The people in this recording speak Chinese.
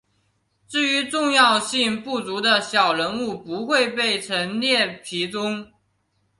至于重要性不足的小人物不会被陈列其中。